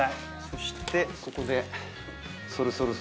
そしてここで。